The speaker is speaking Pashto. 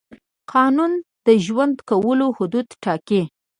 قانون د ژوند کولو حدود ټاکي.